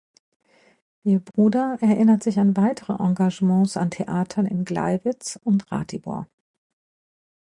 Ihr Bruder erinnert sich an weitere Engagements an Theatern in Gleiwitz und Ratibor.